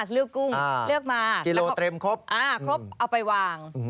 เลือกกุ้งเลือกมากิโลเต็มครบอ่าครบครบเอาไปวาง